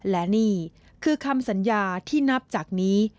และนี่คือคำสัญญาที่นับจากนี้